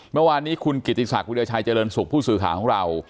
เมื่อวานนี้คุณกิติศักดิราชัยเจริญสุขผู้สื่อข่าวของเรา